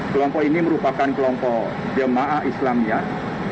kelompok ini merupakan kelompok jemaah islamiyah